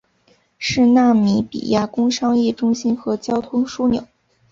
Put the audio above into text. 是纳米比亚工商业中心和交通枢纽。